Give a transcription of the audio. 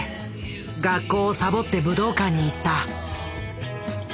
学校をさぼって武道館に行った。